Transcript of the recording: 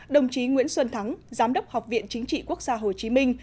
đồng chí nguyễn xuân thắng giám đốc học viện chính trị quốc gia hồ chí minh